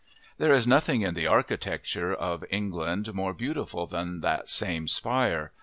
There is nothing in the architecture of England more beautiful than that same spire.